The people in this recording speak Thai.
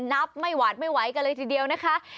นับไม่หวาดไม่ไหวกันเลยทีเดียวนะคะ